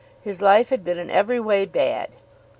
His life had been in every way bad.